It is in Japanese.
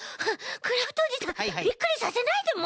クラフトおじさんびっくりさせないでもう！